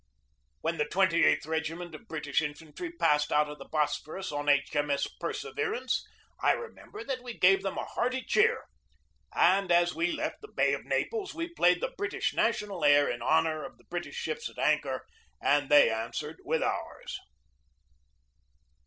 When the 28th Regiment of British in fantry passed out of the Bosphorus on H. M. S. THE MIDSHIPMAN CRUISE 31 Perseverance, I remember that we gave them a hearty cheer; and as we left the Bay of Naples we played the British national air in honor of the Brit ish ships at anchor and they answered with ours.